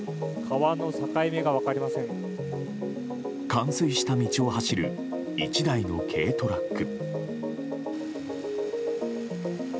冠水した道を走る１台の軽トラック。